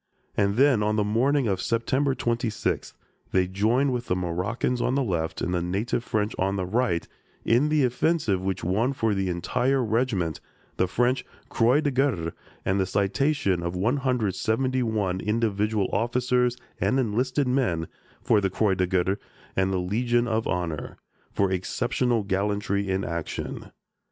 And then, on the morning of September 26th, they joined with the Moroccans on the left and native French on the right in the offensive which won for the entire regiment the French Croix de Guerre and the citation of 171 individual officers and enlisted men for the Croix de Guerre and the Legion of Honor, for exceptional gallantry in action.